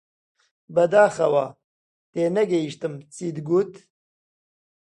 بەداخەوە، تێنەگەیشتم چیت گوت.